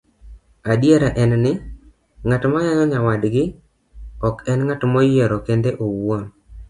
Adiera en ni, ng'at mayanyo nyawadgi ok enng'at moyiero kende owuon,